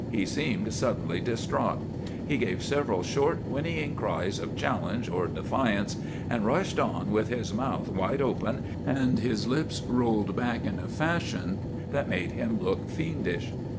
He seemed suddenly distraught. He gave several short whinnying cries of challenge or defiance, and rushed on with his mouth wide open and his hips rolled back in a fashion that made him look fiendish.